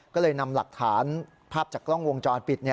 ก็เลยนำหลักฐานภาพจากกล้องวงจรปิด